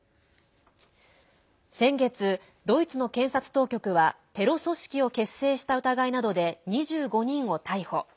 先月、ドイツの検察当局はテロ組織を結成した疑いなどで２５人を逮捕。